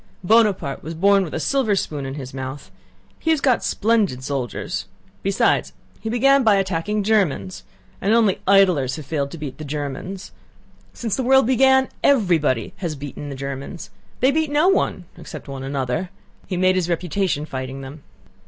"Buonaparte was born with a silver spoon in his mouth. He has got splendid soldiers. Besides he began by attacking Germans. And only idlers have failed to beat the Germans. Since the world began everybody has beaten the Germans. They beat no one—except one another. He made his reputation fighting them."